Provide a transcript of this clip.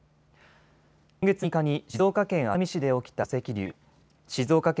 今月３日に静岡県熱海市で起きた土石流。